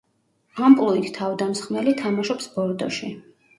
ამპლუით თავდამსხმელი, თამაშობს ბორდოში.